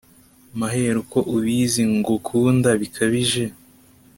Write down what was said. maheru ko ubizi ngukunda bikabije